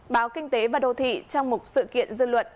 báo kinh tế và đô thị trong một sự kiện dư luận